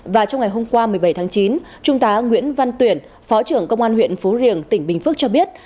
và trong ngày hôm qua một mươi bảy tháng chín trung tá nguyễn văn tuyển phó trưởng công an huyện phú riềng tỉnh bình phước cho biết